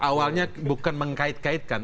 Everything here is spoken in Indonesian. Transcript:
awalnya bukan mengkait kaitkan